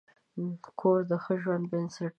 کور د ښه ژوند بنسټ دی.